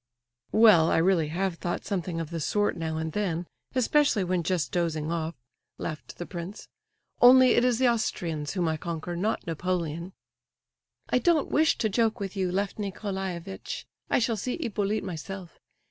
"Well, I really have thought something of the sort now and then, especially when just dozing off," laughed the prince. "Only it is the Austrians whom I conquer—not Napoleon." "I don't wish to joke with you, Lef Nicolaievitch. I shall see Hippolyte myself.